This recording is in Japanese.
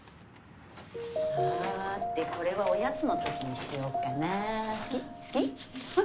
さてこれはおやつの時にしようかな。